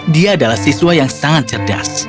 dia adalah siswa yang sangat cerdas